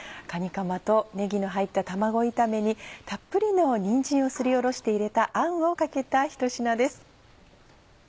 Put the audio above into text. かにかまとねぎの入った卵炒めにたっぷりのにんじんをすりおろして入れたあんをかけたひと品です。